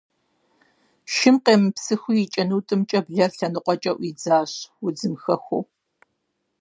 Шым къемыпсыхыу, и чынутӀымкӀэ блэр лъэныкъуэкӀэ Ӏуидзащ, удзым хэхуэу.